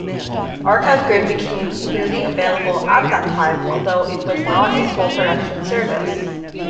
ArchiveGrid became freely-available at that time, although it was not a full production service.